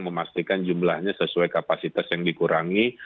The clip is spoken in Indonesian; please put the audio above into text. memastikan jumlahnya sesuai kapasitas yang dikurangi